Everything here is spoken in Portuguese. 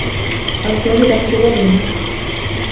Antônia da Silva Lima